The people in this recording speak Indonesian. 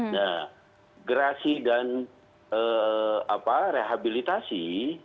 nah gerasi dan rehabilitasi